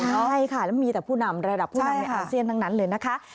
ใช่ค่ะแล้วมีแต่ผู้นำระดับผู้นำในอาเซียนทั้งนั้นเลยนะคะ